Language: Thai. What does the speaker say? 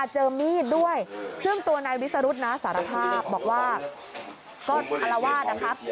เจอมีดด้วยซึ่งตัวนายวิสรุธนะสารภาพบอกว่าก็อารวาสนะครับ